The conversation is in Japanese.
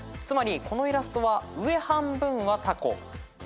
つまりこのイラストは上半分はたこ。